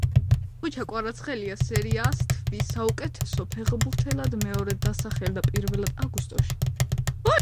ხვიჩა კვარაცხელია სერია ა-ს თვის საუკეთესო ფეხბურთელად მეორედ დასახელდა პირველად აგვისტოში.